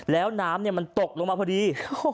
แล้วน้ำมันตกลงมาพอดี